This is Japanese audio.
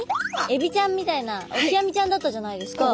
エビちゃんみたいなオキアミちゃんだったじゃないですか。